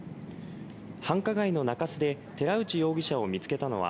繁華街の中洲で寺内容疑者を見つけたのは